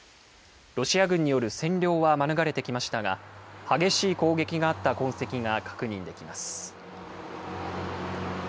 ロシア軍による占領は免れてきましたが、激しい攻撃があった痕跡が確認できます。